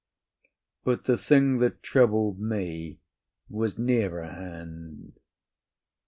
But the thing that troubled me was nearer hand.